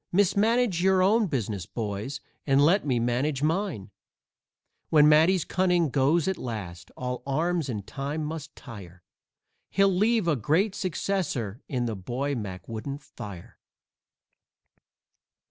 Mismanage your own business, boys, and let me manage mine!" When Matty's cunning goes at last all arms in time must tire He'll leave a great successor in the boy Mac wouldn't fire.